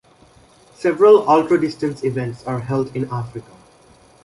Several ultra distance events are held in Africa.